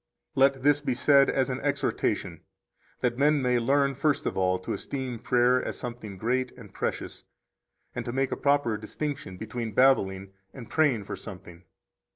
33 Let this be said as an exhortation, that men may learn, first of all, to esteem prayer as something great and precious, and to make a proper distinction between babbling and praying for something.